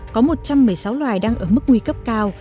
có một trăm một mươi sáu loài đang ở mức nguy cấp cao